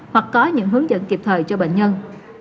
hoặc có những hướng dẫn kịp thời cho bệnh nhân